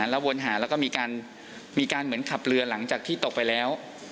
แล้ววนหาแล้วก็มีการเหมือนขับเรือหลังจากที่ตกไปแล้ว